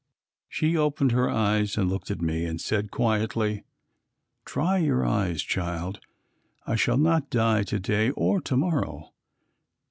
She opened her eyes and looked at me and said quietly, "Dry your eyes, child, I shall not die to day or to morrow."